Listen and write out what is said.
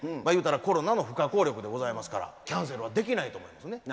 言うたらコロナの不可抗力でございますからキャンセルはできないと思いますね。